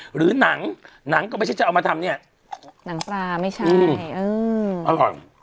หรือหนังหนังก็ไม่ใช่จะเอามาทำเนี่ยหนังปลาไม่ใช่เอออร่อย